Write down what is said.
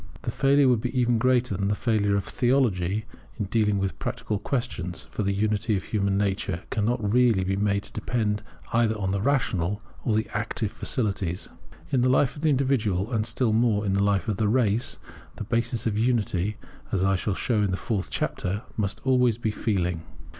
The failure would be even greater than the failure of Theology in dealing with practical questions; for the unity of human nature cannot really be made to depend either on the rational or the active faculties. In the life of the individual, and, still more, in the life of the race, the basis of unity, as I shall show in the fourth chapter, must always be feeling.